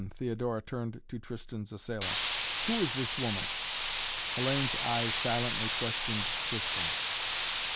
Theodora turned to Tristan's assailant. "Who is this woman?" Hellayne's eyes silently questioned Tristan.